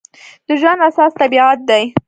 د ژوند اساس طبیعت دی.